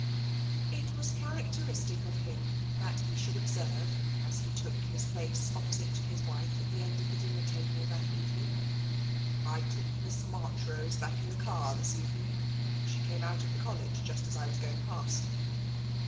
It was characteristic of him that he should observe, as he took his place opposite to his wife at the end of the dinner table that evening :" I took Miss Marchrose back in the car this even ing. She came out of the College just as I was going past."